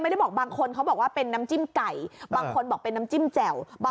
เพราะบองว่ามีน้ำจิ้มเหรอ